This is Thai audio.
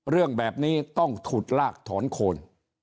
เรื่องแบบนี้ต้องถุดลากถอนโคน